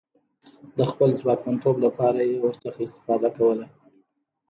د خپل ځواکمنتوب لپاره یې ورڅخه استفاده کوله.